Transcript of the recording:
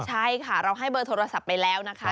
ใช่ค่ะเราให้เบอร์โทรศัพท์ไปแล้วนะคะ